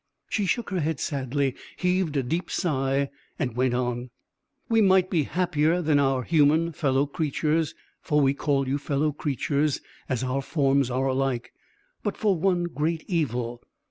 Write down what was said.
She shook her head sadly, heaved a deep sigh, and went on: "We might be happier than our human fellow creatures (for we call you fellow creatures, as our forms are alike), but for one great evil.